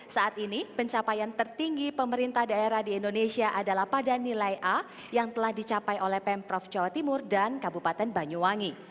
saat ini pencapaian tertinggi pemerintah daerah di indonesia adalah pada nilai a yang telah dicapai oleh pemprov jawa timur dan kabupaten banyuwangi